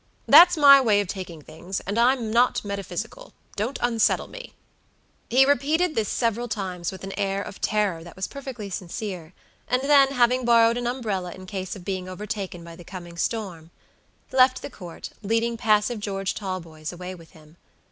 That's my way of taking things, and I'm not metaphysical; don't unsettle me." He repeated this several times with an air of terror that was perfectly sincere; and then, having borrowed an umbrella in case of being overtaken by the coming storm, left the Court, leading passive George Talboys away with him.